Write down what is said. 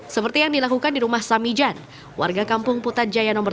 seperti yang dilakukan di rumah samijan warga kampung putajaya nomor delapan